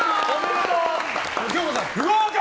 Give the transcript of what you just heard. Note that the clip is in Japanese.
不合格！